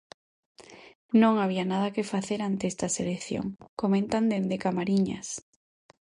"Non había nada que facer ante esta selección", comentan dende Camariñas.